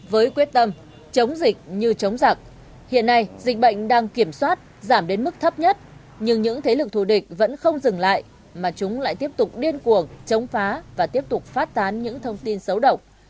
với quyết tâm chống dịch như chống giặc hiện nay dịch bệnh đang kiểm soát giảm đến mức thấp nhất nhưng những thế lực thù địch vẫn không dừng lại mà chúng lại tiếp tục điên cuồng chống phá và tiếp tục phát tán những thông tin xấu độc